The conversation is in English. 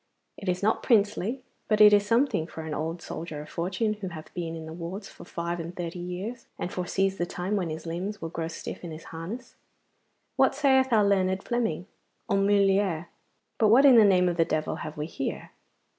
It is not princely, but it is something for an old soldier of fortune who hath been in the wars for five and thirty years, and foresees the time when his limbs will grow stiff in his harness. What sayeth our learned Fleming "an mulier " but what in the name of the devil have we here?